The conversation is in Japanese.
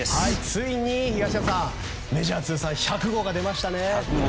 ついに東山さんメジャー通算１００号が出ましたね。